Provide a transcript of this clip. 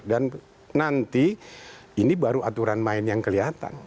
dan nanti ini baru aturan main yang kelihatan